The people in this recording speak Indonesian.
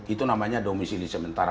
itu namanya domisi ini sementara